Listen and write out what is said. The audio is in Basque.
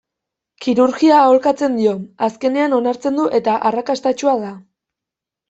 Kirurgia aholkatzen dio, azkenean onartzen du eta arrakastatsua da.